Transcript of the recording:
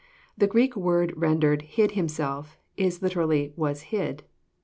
The Greek word rendered "hid Himself" is literally "was hid."